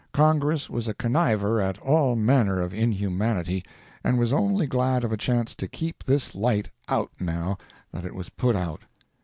Congress was a conniver at all manner of inhumanity, and was only glad of a chance to keep this light out now that it was put out.